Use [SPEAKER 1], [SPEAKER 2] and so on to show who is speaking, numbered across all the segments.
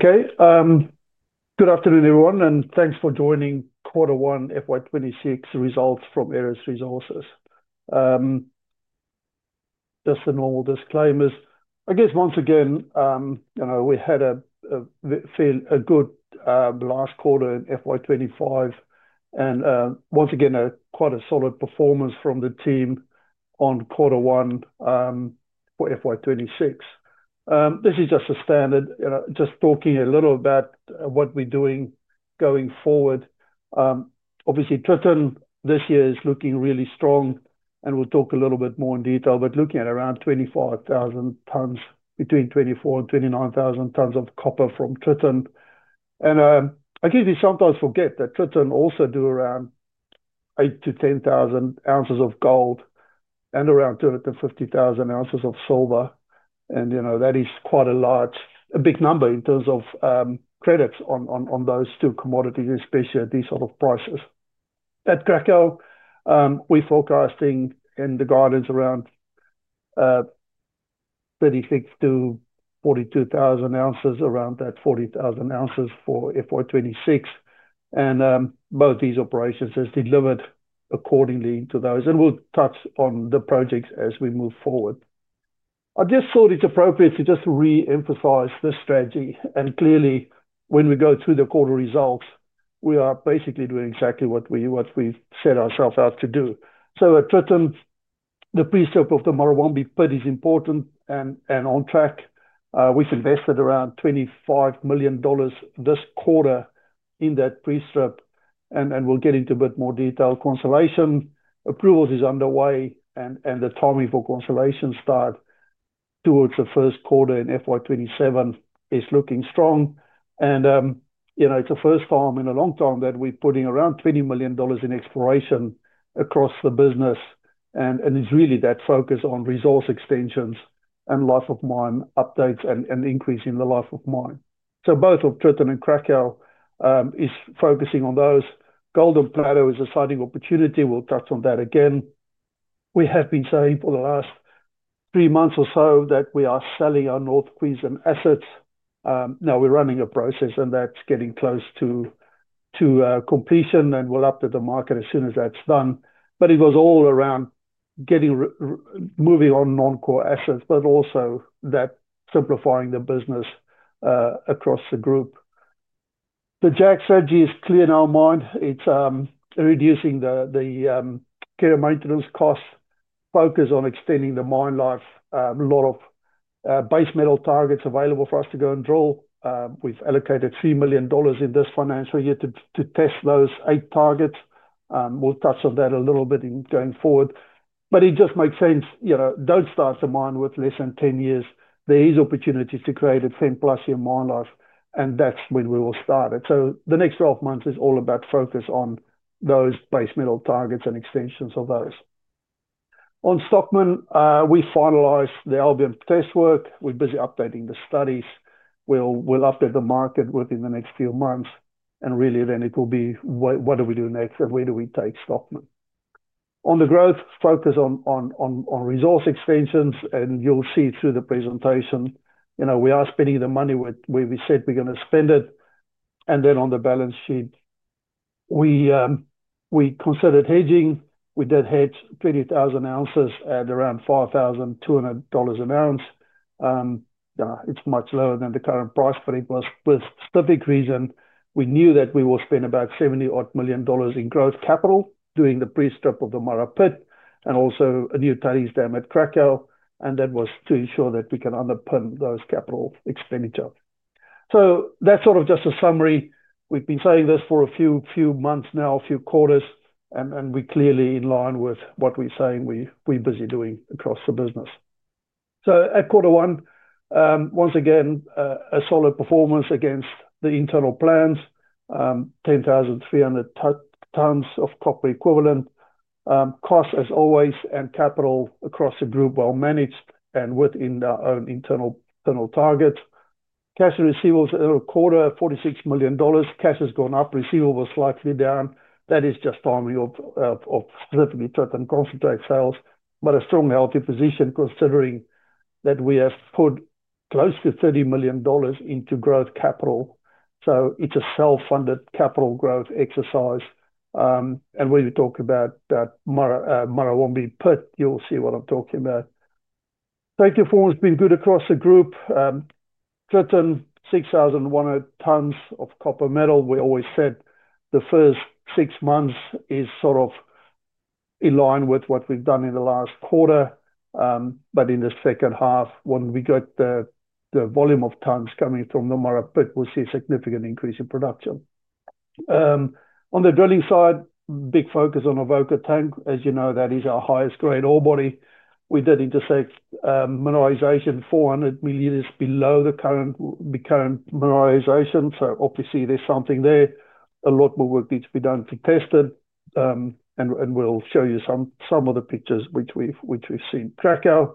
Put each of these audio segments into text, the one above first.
[SPEAKER 1] Okay, good afternoon everyone, and thanks for joining quarter one FY 2026 results from Aeris Resources. Just a normal disclaimer. I guess once again, we had a fair, a good last quarter in FY 2025, and once again, quite a solid performance from the team on quarter one for FY 2026. This is just a standard, you know, just talking a little about what we're doing going forward. Obviously, Tritton this year is looking really strong, and we'll talk a little bit more in detail, but looking at around 25,000 tonnes, between 24,000 tonnes and 29,000 tonnes of copper from Tritton. I guess we sometimes forget that Tritton also does around 8,000 oz-10,000 oz of gold and around 250,000 oz of silver, and you know that is quite a large, a big number in terms of credits on those two commodities, especially at these sort of prices. At Cracow we're forecasting in the guidance around 36,000 oz-42,000 oz, around that 40,000 oz for FY 2026, and both these operations have delivered accordingly to those, and we'll touch on the projects as we move forward. I just thought it's appropriate to just re-emphasize this strategy, and clearly when we go through the quarter results, we are basically doing exactly what we've set ourselves out to do. At Tritton, the pre-strip of the Murrawombie Pit is important and on track. We've invested around 25 million dollars this quarter in that pre-strip, and we'll get into a bit more detail. Constellation approval is underway, and the timing for Constellation start towards the first quarter in FY 2027 is looking strong. It's the first time in a long time that we're putting around 20 million dollars in exploration across the business, and it's really that focus on resource extensions and life of mine updates and increasing the life of mine. Both Tritton and Cracow are focusing on those. Golden Plateau is an exciting opportunity. We'll touch on that again. We have been saying for the last three months or so that we are selling our North Queensland assets. Now we're running a process, and that's getting close to completion, and we'll update the market as soon as that's done. It was all around getting moving on non-core assets, but also simplifying the business across the group. The JAG strategy is clear now in mind. It's reducing the care and maintenance costs, focus on extending the mine life, a lot of base metal targets available for us to go and drill. We've allocated 3 million dollars in this financial year to test those eight targets. We'll touch on that a little bit in going forward, but it just makes sense. You know, don't start a mine with less than 10 years. There are opportunities to create a 10+ year mine life, and that's when we will start it. The next 12 months is all about focus on those base metal targets and extensions of those. On Stockman, we've finalized the album test work. We're busy updating the studies. We'll update the market within the next few months, and really then it will be what do we do next and where do we take Stockman. On the growth, focus on resource extensions, and you'll see through the presentation, you know, we are spending the money where we said we're going to spend it. On the balance sheet, we considered hedging. We did hedge 20,000 oz at around 5,200 dollars an ounce. It's much lower than the current price, but it was with specific reason. We knew that we will spend about 70 million dollars in growth capital doing the pre-strip of Murrawombie Pit and also a new [tailings dam] at Cracow, and that was to ensure that we can underpin those capital expenditures. That's just a summary. We've been saying this for a few months now, a few quarters, and we're clearly in line with what we're saying we're busy doing across the business. At quarter one, once again, a solid performance against the internal plans. 10,300 tonnes of copper equivalent. Costs, as always, and capital across the group well managed and within our own internal targets. Cash and receivables at Quarter: 46 million dollars. Cash has gone up, receivables slightly down. That is just timing of specifically Tritton concentrate sales, but a strong healthy position considering that we have put close to 30 million dollars into growth capital. It's a self-funded capital growth exercise, and when we talk about that Murrawombie Pit, you'll see what I'm talking about. Safety performance has been good across the group. Tritton, 6,100 tonnes of copper metal. We always said the first six months is sort of in line with what we've done in the last quarter, but in the second half, when we get the volume of tonnes coming from Murrawombie Pit, we'll see a significant increase in production. On the drilling side, big focus on Avoca Tank. As you know, that is our highest grade ore body. We did intersect mineralization 400 mL below the current mineralization, so obviously there's something there. A lot more work needs to be done to test it, and we'll show you some of the pictures which we've seen. Cracow,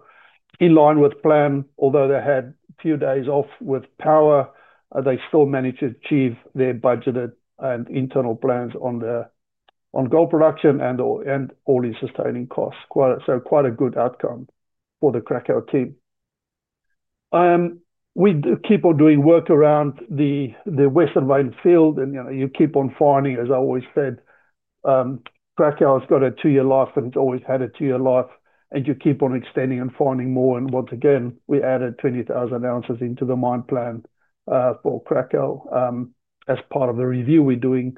[SPEAKER 1] in line with plan, although they had a few days off with power, they still managed to achieve their budgeted and internal plans on gold production and all-in sustaining costs. Quite a good outcome for the Cracow team. We keep on doing work around the Western Main Field, and you know, you keep on finding, as I always said, Cracow has got a two-year life, and it's always had a two-year life, and you keep on extending and finding more. Once again, we added 20,000 oz into the mine plan for Cracow as part of the review we're doing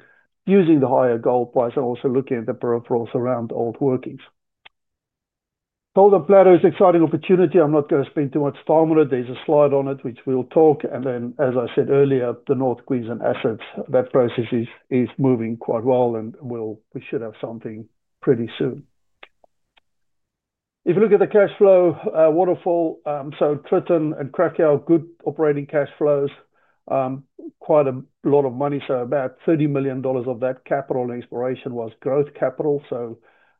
[SPEAKER 1] using the higher gold price and also looking at the peripherals around old workings. Golden Plateau is an exciting opportunity. I'm not going to spend too much time on it. There's a slide on it which we'll talk, and then, as I said earlier, the North Queensland assets, that process is moving quite well, and we should have something pretty soon. If you look at the cash flow waterfall, Tritton and Cracow have good operating cash flows, quite a lot of money. About 30 million dollars of that capital and exploration was growth capital.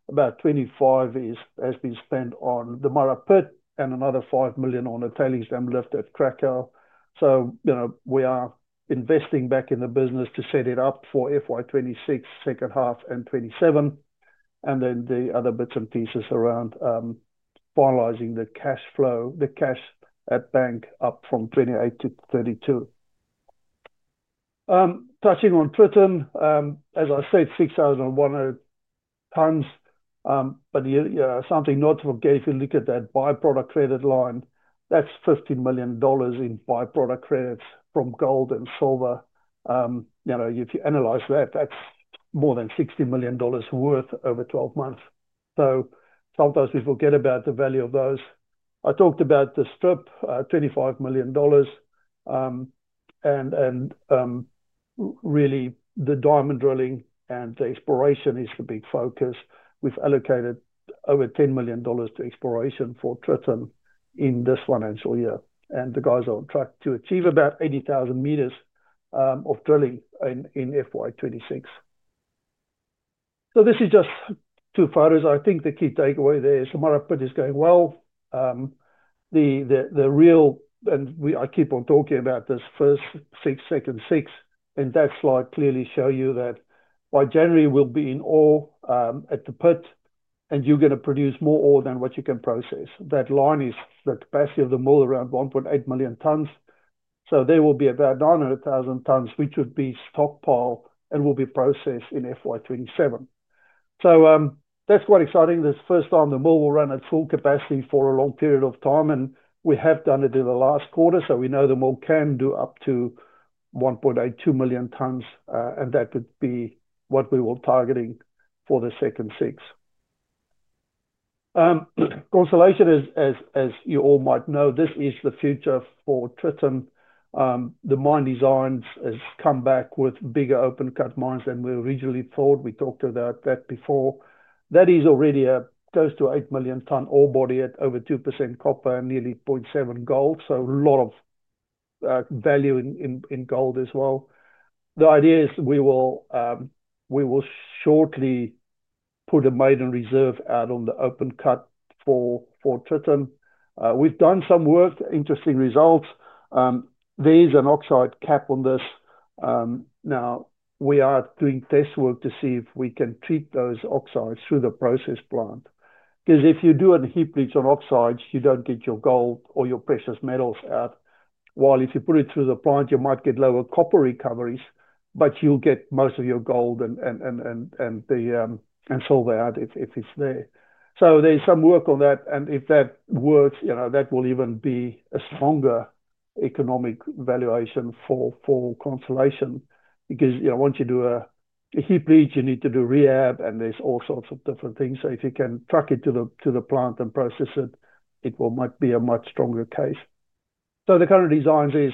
[SPEAKER 1] About 25 million has been spent on Murrawombie Pit and another 5 million on a tailings dam lift at Cracow. We are investing back in the business to set it up for FY 2026, second half, and 2027, and the other bits and pieces around finalizing the cash flow, the cash at bank up from 2028-2032. Touching on Tritton, as I said, 6,100 tonnes, but something notable. If you look at that by-product credit line, that's 15 million dollars in by-product credits from gold and silver. If you analyze that, that's more than 60 million dollars worth over 12 months. Sometimes we forget about the value of those. I talked about the pre-strip, 25 million dollars, and really the diamond drilling and the exploration is the big focus. We've allocated over 10 million dollars to exploration for Tritton in this financial year, and the guys are on track to achieve about 80,000 m of drilling in FY 2026. This is just two photos. I think the key takeaway there is Murrawombie Pit is going well. The real, and I keep on talking about this first six, second six, and that slide clearly shows you that by January we'll be in ore at the pit, and you're going to produce more ore than what you can process. That line is the capacity of the mill, around 1.8 million tonnes. There will be about 900,000 tonnes, which would be stockpiled and will be processed in FY 2027. That's quite exciting. This is the first time the mill will run at full capacity for a long period of time, and we have done it in the last quarter, so we know the mill can do up to 1.82 million tonnes, and that would be what we were targeting for the second six. Constellation, as you all might know, this is the future for Tritton. The mine designs have come back with bigger open cut mines than we originally thought. We talked about that before. That is already close to an 8 million tonne ore body at over 2% copper and nearly 0.7 gold, so a lot of value in gold as well. The idea is we will shortly put a maiden reserve out on the open cut for Tritton. We've done some work, interesting results. There is an oxide cap on this. Now we are doing test work to see if we can treat those oxides through the process plant. If you do it in heaplets on oxides, you don't get your gold or your precious metals out, while if you put it through the plant, you might get lower copper recoveries, but you'll get most of your gold and silver out if it's there. There's some work on that, and if that works, that will even be a stronger economic valuation for Constellation. Once you do a heaplet, you need to do rehab, and there's all sorts of different things. If you can truck it to the plant and process it, it might be a much stronger case. The current design is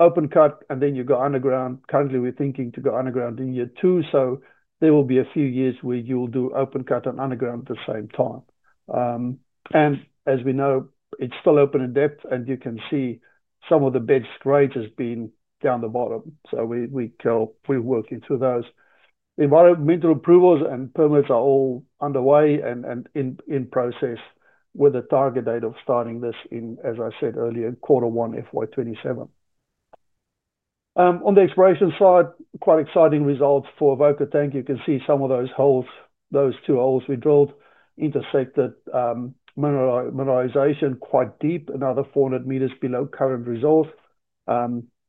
[SPEAKER 1] open cut, and then you go underground. Currently, we're thinking to go underground in year two, so there will be a few years where you'll do open cut and underground at the same time. As we know, it's still open in depth, and you can see some of the best grades have been down the bottom. We're working through those. Environmental approvals and permits are all underway and in process with a target date of starting this, as I said earlier, in quarter one, FY 2027. On the exploration side, quite exciting results for Avoca Tank. You can see some of those holes, those two holes we drilled intersected mineralisation quite deep, another 400 m below current resource.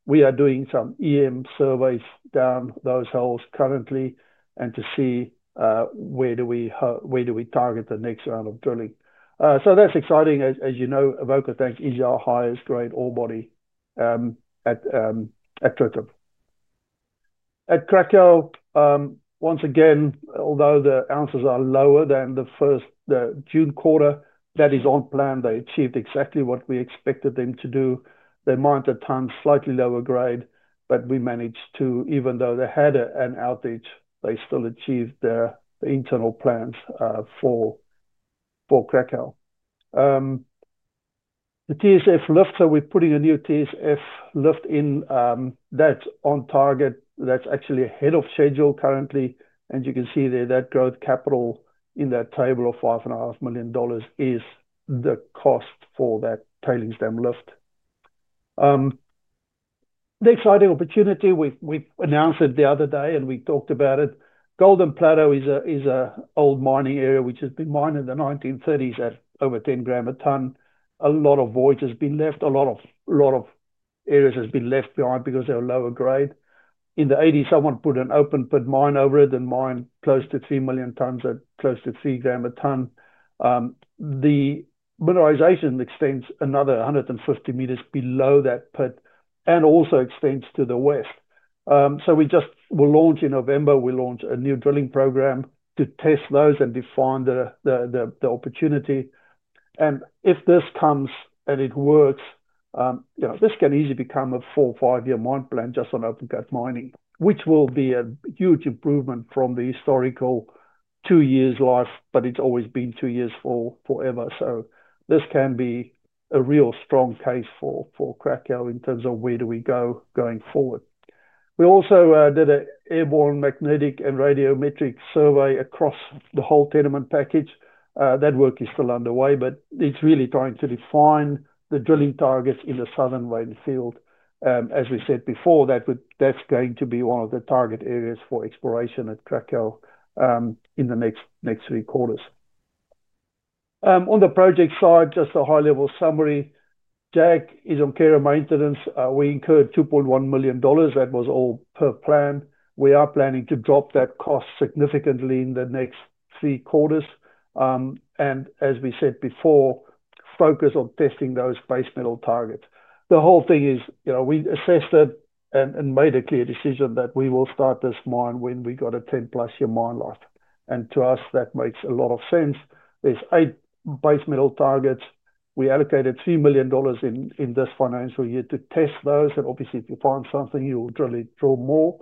[SPEAKER 1] We are doing some EM surveys down those holes currently to see where we target the next round of drilling. That's exciting. As you know, Avoca Tank is our highest grade ore body at Tritton. At Cracow, once again, although the oz are lower than the first June quarter, that is on plan. They achieved exactly what we expected them to do. They mined a tonne, slightly lower grade, but we managed to, even though they had an outage, they still achieved the internal plans for Cracow. The TSF lift, so we're putting a new TSF lift in. That's on target. That's actually ahead of schedule currently, and you can see there that growth capital in that table of 5.5 million dollars is the cost for that tailings dam lift. The exciting opportunity, we've announced it the other day and we talked about it. Golden Plateau is an old mining area which has been mined in the 1930s at over 10 g a tonne. A lot of voids has been left. A lot of areas have been left behind because they were lower grade. In the 1980s, someone put an open pit mine over it and mined close to 3 million tonnes at close to 3 g a tonne. The mineralisation extends another 150 m below that pit and also extends to the west. We will launch in November, we'll launch a new drilling program to test those and define the opportunity. If this comes and it works, you know, this can easily become a four or five-year mine plan just on open cut mining, which will be a huge improvement from the historical two years life, but it's always been two years for forever. This can be a real strong case for Cracow in terms of where do we go going forward. We also did an airborne magnetic and radiometric survey across the whole tenement package. That work is still underway, but it's really trying to define the drilling targets in the southern main field. As we said before, that's going to be one of the target areas for exploration at Cracow in the next three quarters. On the project side, just a high-level summary. JAG is on care and maintenance. We incurred 2.1 million dollars. That was all per plan. We are planning to drop that cost significantly in the next three quarters. As we said before, focus on testing those base metal targets. The whole thing is, you know, we assessed it and made a clear decision that we will start this mine when we got a 10+ year mine life. To us, that makes a lot of sense. There's eight base metal targets. We allocated 3 million dollars in this financial year to test those. Obviously, if you find something, you'll drill more.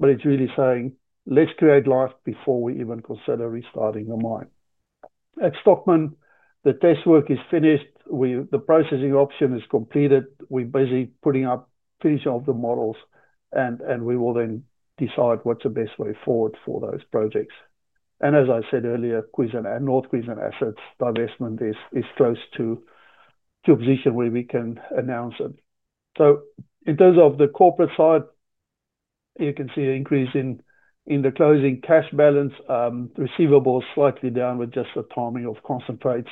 [SPEAKER 1] It's really saying, let's create life before we even consider restarting the mine. At Stockman, the test work is finished. The processing option is completed. We're busy putting up, finishing up the models, and we will then decide what's the best way forward for those projects. As I said earlier, North Queensland assets divestment is close to a position where we can announce it. In terms of the corporate side, you can see an increase in the closing cash balance. Receivables slightly down with just the timing of concentrates.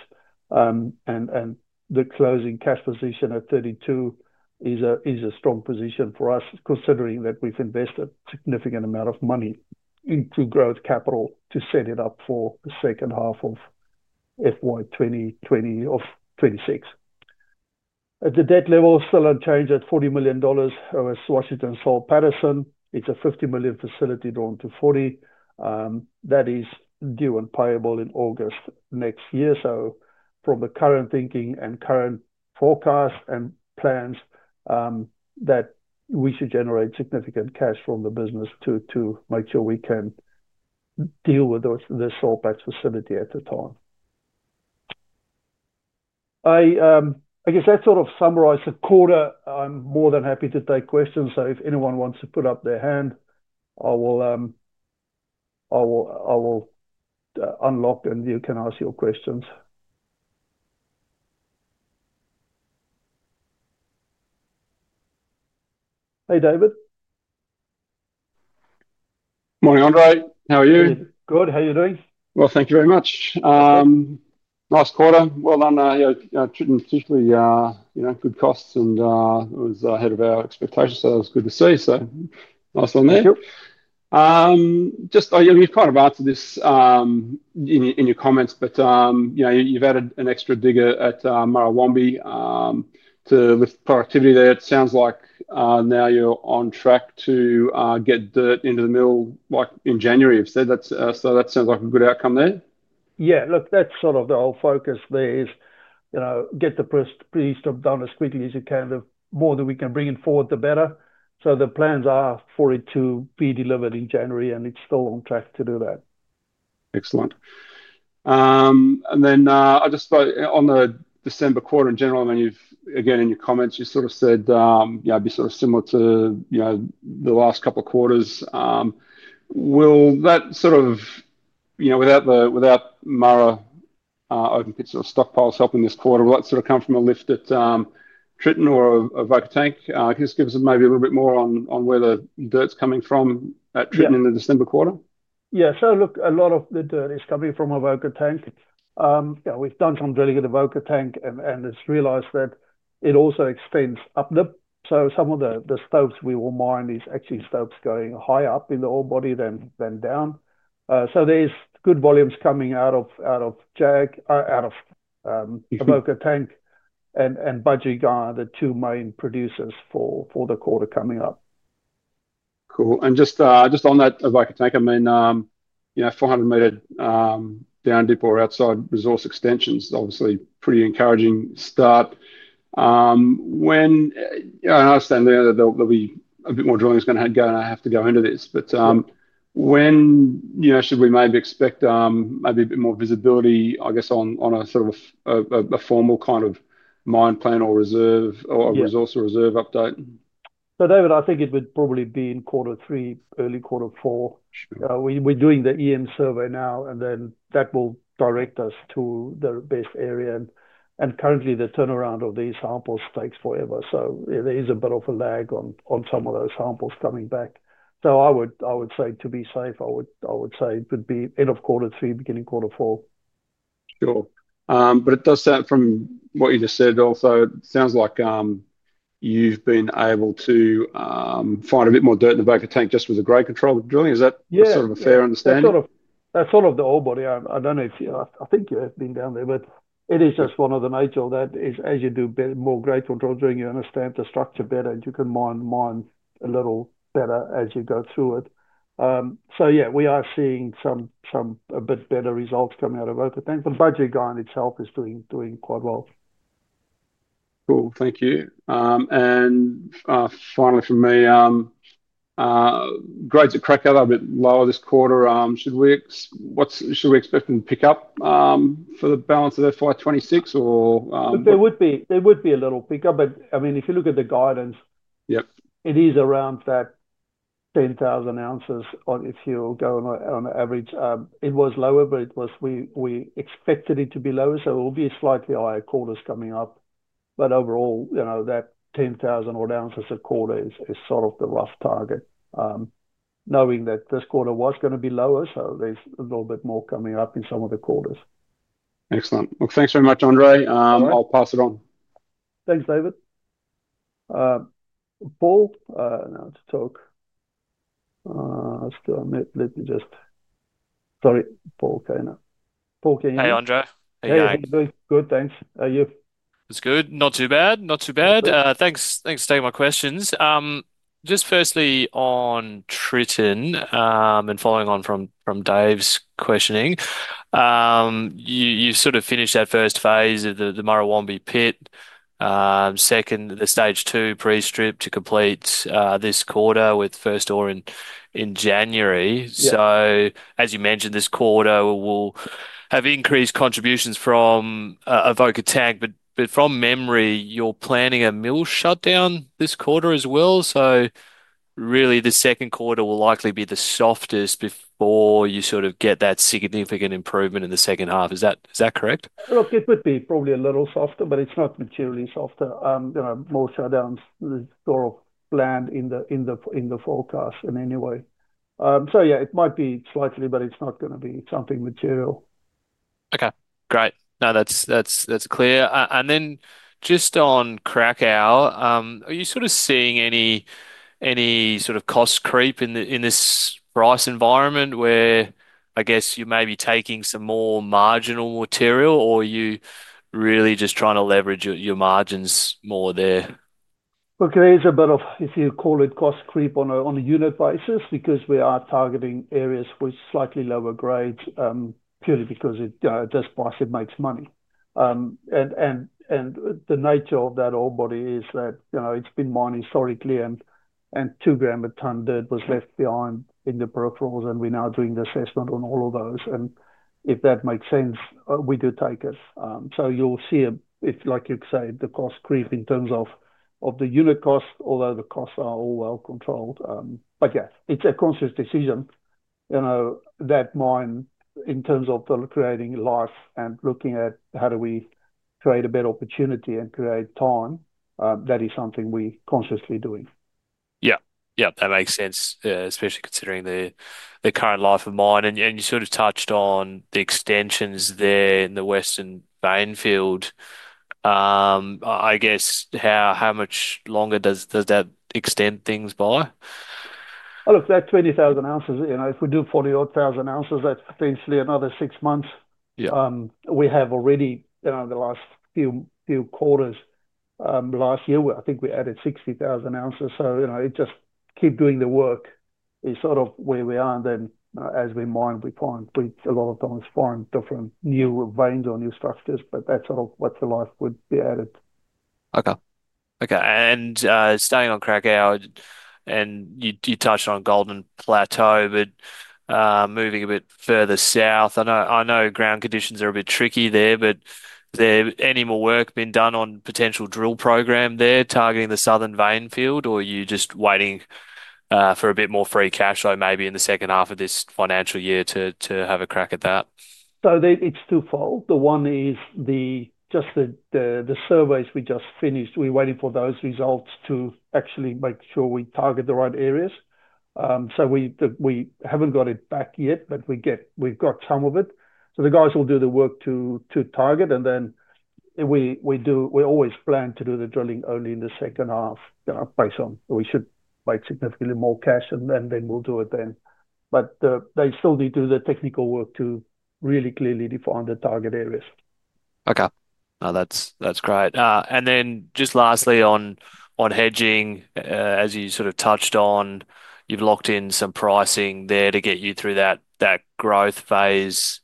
[SPEAKER 1] The closing cash position at 32 million is a strong position for us considering that we've invested a significant amount of money into growth capital to set it up for the second half of FY 2026. At the debt level, still unchanged at 40 million dollars, OS Washington, Saul Paterson. It's a 50 million facility drawn to 40 million. That is due and payable in August next year. From the current thinking and current forecast and plans, we should generate significant cash from the business to make sure we can deal with the Saul Paterson facility at the time. I guess that sort of summarizes the quarter. I'm more than happy to take questions. If anyone wants to put up their hand, I will unlock and you can ask your questions. Hey, David.
[SPEAKER 2] Morning, André. How are you?
[SPEAKER 1] Good. How are you doing?
[SPEAKER 2] Thank you very much. Nice quarter. Well done. Traditionally, good costs and it was ahead of our expectations, so that was good to see. Nice on there.
[SPEAKER 1] Thank you.
[SPEAKER 2] You've kind of answered this in your comments, but you've added an extra digger at Murrawombie to lift productivity there. It sounds like now you're on track to get dirt into the mill like in January, you've said. That sounds like a good outcome there.
[SPEAKER 1] Yeah, look, that's sort of the whole focus there is, you know, get the pre-strip done as quickly as you can. The more that we can bring it forward, the better. The plans are for it to be delivered in January, and it's still on track to do that.
[SPEAKER 2] Excellent. I just thought on the December quarter in general, you've again in your comments, you sort of said it'd be sort of similar to the last couple of quarters. Will that, without the Murrawombie Pit open pit stockpiles helping this quarter, come from a lift at Tritton or Avoca Tank? Can you just give us maybe a little bit more on where the dirt's coming from at Tritton in the December quarter?
[SPEAKER 1] Yeah, so look, a lot of the dirt is coming from Avoca Tank. You know, we've done some drilling at Avoca Tank and it's realized that it also extends up the. Some of the stopes we will mine are actually stopes going high up in the ore body than down. There's good volumes coming out of JAG, out of Avoca Tank, and Budgie Guard are the two main producers for the quarter coming up.
[SPEAKER 2] Cool. Just on that Avoca Tank, I mean, you know, 400 m down deep or outside resource extensions, obviously pretty encouraging start. I understand there'll be a bit more drilling that's going to have to go into this, but when should we maybe expect maybe a bit more visibility, I guess, on a sort of a formal kind of mine plan or reserve or a resource or reserve update?
[SPEAKER 1] David, I think it would probably be in quarter three, early quarter four. We're doing the EM survey now, and that will direct us to the best area. Currently, the turnaround of these samples takes forever, so there is a bit of a lag on some of those samples coming back. I would say to be safe, it would be end of quarter three, beginning quarter four.
[SPEAKER 2] It does sound from what you just said also, it sounds like you've been able to find a bit more dirt in the Avoca Tank just with the grade control drilling. Is that sort of a fair understanding?
[SPEAKER 1] Yeah, that's sort of the ore body. I don't know if you, I think you have been down there, but it is just one of the nature of that is as you do more grade control drilling, you understand the structure better, and you can mine a little better as you go through it. Yeah, we are seeing some a bit better results coming out of Avoca Tank. The Budgie Guard itself is doing quite well.
[SPEAKER 2] Cool, thank you. Finally for me, grades at Cracow are a bit lower this quarter. Should we expect a pickup for the balance of FY 2026 or?
[SPEAKER 1] There would be a little pickup, but if you look at the guidance, it is around that 10,000 oz. If you go on average, it was lower, but we expected it to be lower. It will be a slightly higher quarter coming up. Overall, that 10,000 odd oz a quarter is sort of the rough target, knowing that this quarter was going to be lower. There's a little bit more coming up in some of the quarters.
[SPEAKER 2] Excellent. Thanks very much, André. I'll pass it on.
[SPEAKER 1] Thanks, David. Paul, now to talk. Paul came in.
[SPEAKER 3] Hey, André.
[SPEAKER 1] Hey, how are you doing? How are you?
[SPEAKER 3] It's good. Not too bad, not too bad. Thanks for taking my questions. Just firstly on Tritton and following on from David's questioning, you sort of finished that first phase of the Murrawombie Pit. Second, the stage two pre-strip to complete this quarter with first ore in January. As you mentioned, this quarter will have increased contributions from Avoca Tank, but from memory, you're planning a mill shutdown this quarter as well. Really, the second quarter will likely be the softest before you sort of get that significant improvement in the second half. Is that correct?
[SPEAKER 1] Look, it would be probably a little softer, but it's not materially softer. You know, more shutdowns are a plan in the forecast in any way. It might be slightly, but it's not going to be something material.
[SPEAKER 3] Okay, great. No, that's clear. On Cracow, are you sort of seeing any sort of cost creep in this price environment where I guess you may be taking some more marginal material, or are you really just trying to leverage your margins more there?
[SPEAKER 1] Look, there is a bit of, if you call it, cost creep on a unit basis because we are targeting areas with slightly lower grades purely because it, you know, at this price it makes money. The nature of that ore body is that, you know, it's been mined historically and 2 g a tonne dirt was left behind in the peripherals and we're now doing the assessment on all of those. If that makes sense, we do take it. You'll see, if like you say, the cost creep in terms of the unit cost, although the costs are all well controlled. Yeah, it's a conscious decision, you know, that mine in terms of creating life and looking at how do we create a better opportunity and create time. That is something we're consciously doing.
[SPEAKER 3] Yeah, yeah, that makes sense, especially considering the current life of mine. You sort of touched on the extensions there in the western main field. I guess how much longer does that extend things by?
[SPEAKER 1] It's that 20,000 oz. You know, if we do 48,000 oz, that's potentially another six months. We have already, the last few quarters last year, I think we added 60,000 oz. You know, it's just keep doing the work is sort of where we are. As we mine, we find a lot of times find different new veins or new structures, but that's sort of what the life would be added.
[SPEAKER 3] Okay. Okay. Staying on Cracow, and you touched on Golden Plateau, but moving a bit further south, I know ground conditions are a bit tricky there. Is there any more work being done on potential drill program there targeting the southern main field, or are you just waiting for a bit more free cash flow maybe in the second half of this financial year to have a crack at that?
[SPEAKER 1] It is twofold. The one is just the surveys we just finished. We're waiting for those results to actually make sure we target the right areas. We haven't got it back yet, but we've got some of it. The guys will do the work to target, and then we always plan to do the drilling only in the second half, you know, based on we should make significantly more cash, and then we'll do it then. They still need to do the technical work to really clearly define the target areas.
[SPEAKER 3] Okay, that's great. Lastly, on hedging, as you sort of touched on, you've locked in some pricing there to get you through that growth phase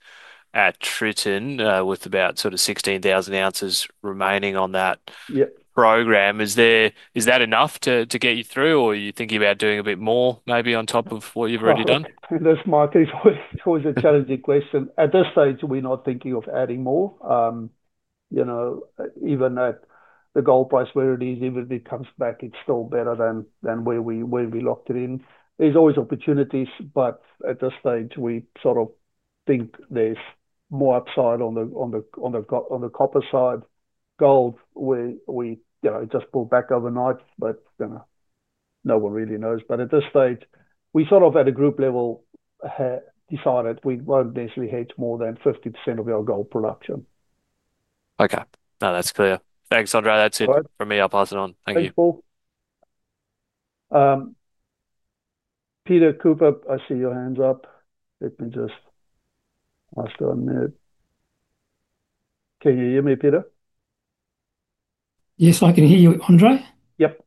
[SPEAKER 3] at Tritton with about 16,000 oz remaining on that program. Is that enough to get you through, or are you thinking about doing a bit more maybe on top of what you've already done?
[SPEAKER 1] This might be always a challenging question. At this stage, we're not thinking of adding more. Even at the gold price where it is, even if it comes back, it's still better than where we locked it in. There's always opportunities, but at this stage, we sort of think there's more upside on the copper side. Gold, we, it just pulled back overnight, but no one really knows. At this stage, we sort of at a group level have decided we won't necessarily hedge more than 50% of our gold production.
[SPEAKER 3] Okay, no, that's clear. Thanks, André. That's it for me. I'll pass it on. Thank you.
[SPEAKER 1] Thanks, Paul. Peter Cooper, I see your hand's up. Let me just ask a minute. Can you hear me, Peter?
[SPEAKER 4] Yes, I can hear you, André.
[SPEAKER 1] Yep.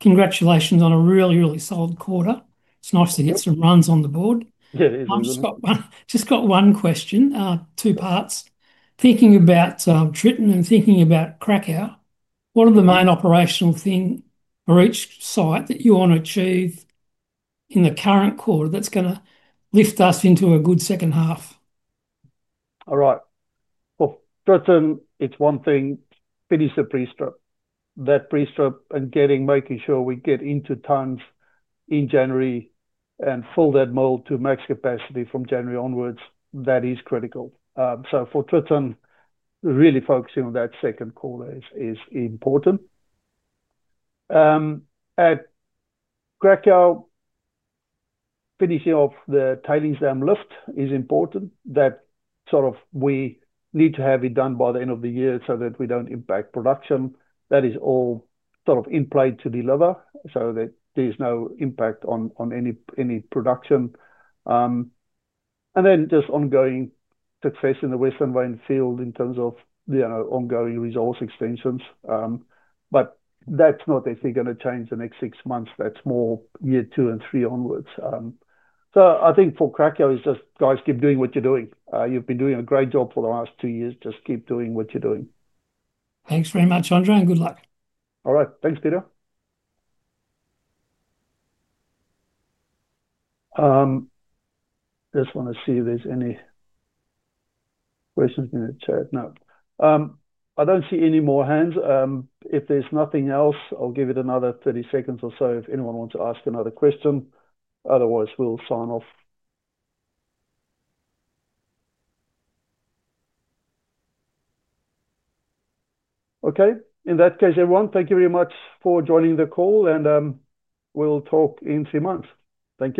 [SPEAKER 4] Congratulations on a really, really solid quarter. It's nice to get some runs on the board.
[SPEAKER 1] Yeah, it is.
[SPEAKER 4] I've just got one question, two parts. Thinking about Tritton and thinking about Cracow, what are the main operational things for each site that you want to achieve in the current quarter that's going to lift us into a good second half?
[SPEAKER 1] All right. Tritton, it's one thing, finish the pre-strip. That pre-strip and making sure we get into tonnes in January and fill that mill to max capacity from January onwards, that is critical. For Tritton, really focusing on that second quarter is important. At Cracow, finishing off the tailings dam lift is important. We need to have it done by the end of the year so that we don't impact production. That is all in play to deliver so that there's no impact on any production. Then just ongoing success in the western main field in terms of ongoing resource extensions. That's not actually going to change the next six months. That's more year two and three onwards. I think for Cracow it's just, guys, keep doing what you're doing. You've been doing a great job for the last two years. Just keep doing what you're doing.
[SPEAKER 4] Thanks very much, André, and good luck.
[SPEAKER 1] All right, thanks, Peter. I just want to see if there's any questions in the chat. No, I don't see any more hands. If there's nothing else, I'll give it another 30 seconds or so if anyone wants to ask another question. Otherwise, we'll sign off. Okay, in that case, everyone, thank you very much for joining the call, and we'll talk in three months. Thank you.